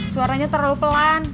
suaranya terlalu pelan